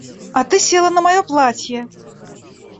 А ты села на мое платье!